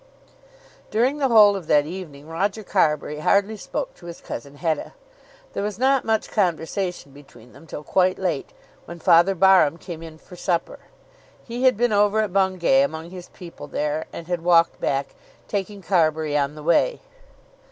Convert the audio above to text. During the whole of that evening Roger Carbury hardly spoke to his cousin Hetta. There was not much conversation between them till quite late, when Father Barham came in for supper. He had been over at Bungay among his people there, and had walked back, taking Carbury on the way.